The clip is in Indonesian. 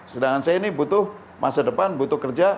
sedangkan saya ini butuh masa depan butuh kerja